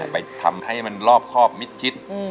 ไปทำให้มันรอบครอบมิดชิด